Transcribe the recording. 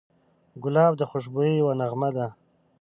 ګلاب د خوشبویۍ یوه نغمه ده.